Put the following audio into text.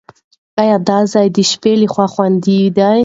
ایا دا ځای د شپې لپاره خوندي دی؟